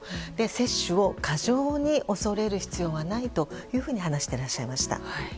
接種を過剰に恐れる必要はないと話してらっしゃいました。